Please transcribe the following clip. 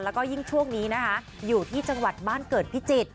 แล้วก็ยิ่งช่วงนี้นะคะอยู่ที่จังหวัดบ้านเกิดพิจิตร